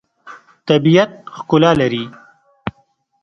طبیعت ښکلا لري.